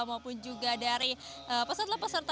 maupun juga dari peserta peserta